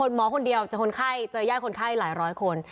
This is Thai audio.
หมอคนเดียวเจอคนไข้เจอญาติคนไข้หลายร้อยคน